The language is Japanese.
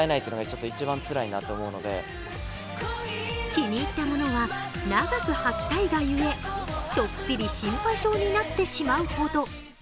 気に入ったものは長くはきたいがゆえ、ちょっぴり心配性になってしまうほど。